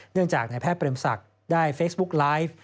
เนื่องจากนายแพทย์เปรมศักดิ์ได้เฟซบุ๊กไลฟ์